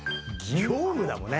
業務だもんね。